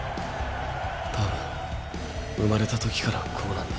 多分生まれた時からこうなんだ。